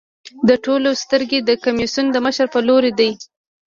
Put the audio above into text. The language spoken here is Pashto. د ټولو سترګې د کمېسیون د مشر په لور دي.